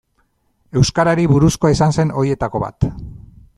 Euskarari buruzkoa izan zen horietako bat.